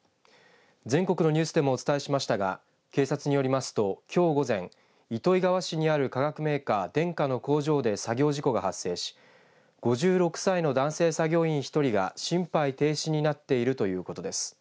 全国のニュースでもお伝えしましたが警察によりますと、きょう午前糸魚川市にある化学メーカーデンカの工場で作業事故が発生し５６歳の男性作業員１人が心肺停止になっているということです。